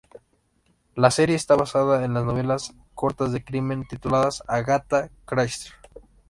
La serie está basada en las novelas cortas de crimen tituladas "Agatha Christie's".